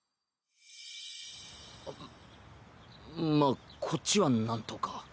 まあこっちはなんとか。